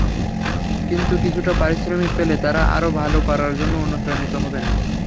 কিন্তু কিছুটা পারিশ্রমিক পেলে তাঁরা আরও ভালো করার জন্য অনুপ্রাণিত হবেন।